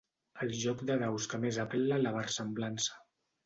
El joc de daus que més apel·la a la versemblança.